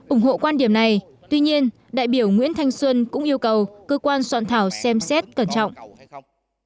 ủng hộ quan điểm này tuy nhiên đại biểu nguyễn thanh xuân cũng yêu cầu cơ quan soạn thảo xem xét cẩn trọng